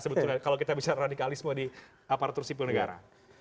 sebetulnya kalau kita bicara radikalisme di aparatur sipil negara